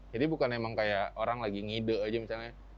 jadi bukan emang kayak orang lagi ngide aja misalnya